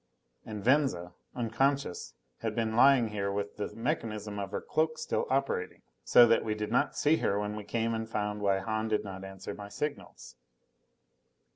And Venza, unconscious, had been lying here with the mechanism of her cloak still operating, so that we did not see her when we came and found why Hahn did not answer my signals.